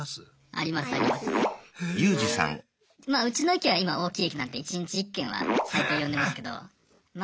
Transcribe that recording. まあうちの駅は今大きい駅なんで１日１件は最低呼んでますけどま